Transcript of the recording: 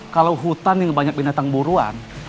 kalau hutan yang banyak binatang buruan